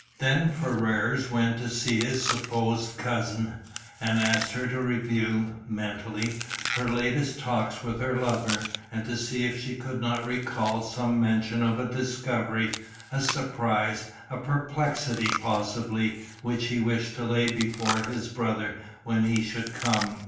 Then Ferrars went to see his supposed cousin, and asked her to review, mentally, her latest talks with her lover, and to see if she could not recall some mention of a discovery, a surprise, a perplexity possibly, which he wished to lay before his brother when he should come.